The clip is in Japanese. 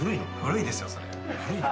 古いの？